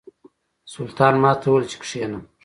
سلطان ماته وویل چې کښېنم.